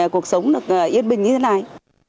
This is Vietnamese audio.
cuộc sống được yên bình như thế này